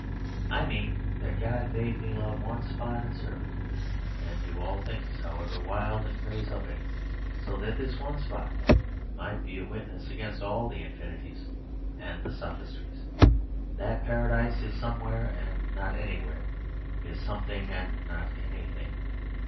I mean that God bade me love one spot and serve it, and do all things however wild in praise of it, so that this one spot might be a witness against all the infinities and the sophistries, that Paradise is somewhere and not anywhere, is something and not anything.